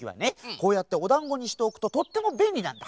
こうやっておだんごにしておくととってもべんりなんだ。